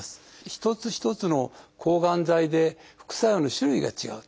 一つ一つの抗がん剤で副作用の種類が違うと。